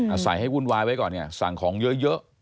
อาศัยให้วุ่นวายไว้ก่อนเนี่ยสั่งของเยอะ